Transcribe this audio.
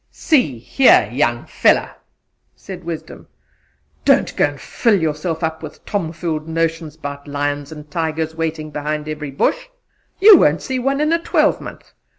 "See here, young feller!" said Wisdom, "don't go fill yourself up with tomfool notions 'bout lions and tigers waitin' behind every bush. You won't see one in a twelvemonth!